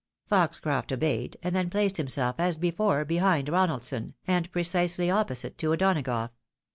Foxcroft obeyed, and then placed liimself, as before, behind Ronaldson, and precisely opposite to O'Donagough.